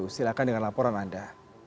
silahkan dengan laporan anda